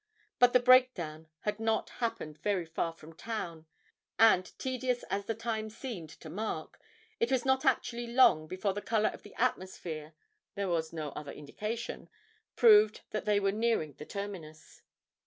But the breakdown had not happened very far from town, and, tedious as the time seemed to Mark, it was not actually long before the colour of the atmosphere (there was no other indication) proved that they were nearing the terminus.